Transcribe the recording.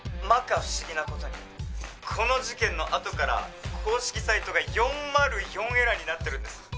まか不思議なことにこの事件のあとから公式サイトが４０４エラーになってるんです